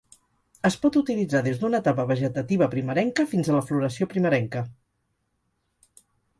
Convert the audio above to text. Es pot utilitzar des d'una etapa vegetativa primerenca fins a la floració primerenca.